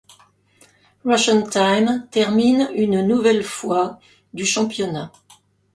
Russian Time termine une nouvelle fois du championnat.